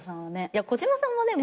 いや小嶋さんはね